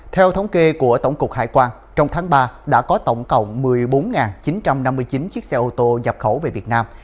theo thống kê của tổng cục hải quan trong tháng ba đã có tổng cộng một mươi bốn chín trăm năm mươi chín chiếc xe ô tô nhập khẩu về việt nam